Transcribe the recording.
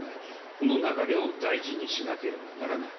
この流れを大事にしなければならない。